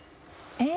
えっ？